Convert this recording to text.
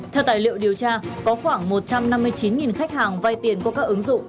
theo tài liệu điều tra có khoảng một trăm năm mươi chín khách hàng vay tiền qua các ứng dụng